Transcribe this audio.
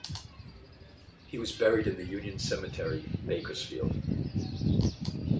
He was buried in the Union Cemetery in Bakersfield.